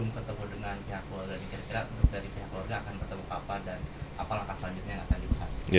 kira kira mbak belum ketemu dengan